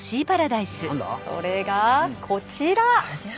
それがこちら。